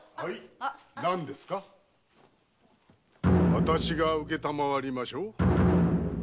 私が承りましょう。